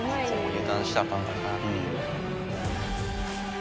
油断したらあかんからな。